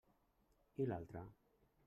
I l'altra?